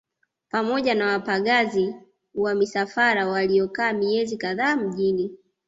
Pamoja na wapagazi wa misafara waliokaa miezi kadhaa mjini